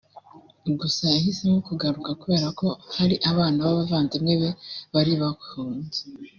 Gusa yahisemo kugaruka kubera ko hari abana b’abavandimwe be bari bahunze